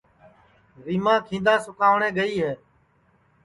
ریماں کیندا سُکاوٹؔے گئے ہے